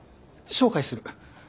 紹介する。